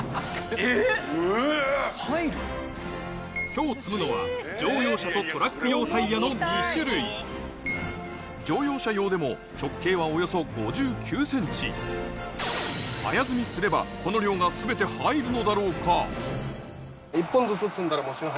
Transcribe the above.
今日積むのは乗用車とトラック用タイヤの２種類乗用車用でも直径はおよそ５９ｃｍこの量ががあります。